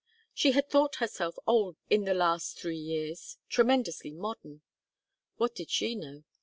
She had thought herself old in the last three years, tremendously modern. What did she know?